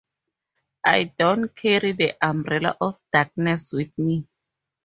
I don’t carry the umbrella of darkness with me.